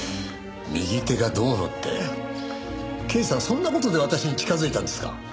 右手がどうのって刑事さんそんな事で私に近づいたんですか？